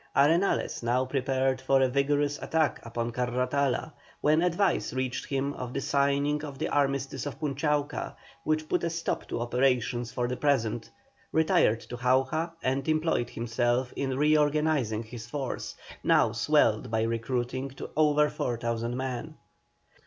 Arenales now prepared for a vigorous attack upon Carratala, when advice reached him of the signing of the armistice of Punchauca, which put a stop to operations for the present, retired to Jauja and employed himself in reorganizing his force, now swelled by recruiting to over 4,000 men.